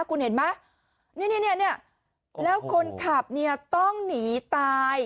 คุณเห็นไหมเนี้ยเนี้ยเนี้ยแล้วคนขับเนี้ยต้องหนีตาย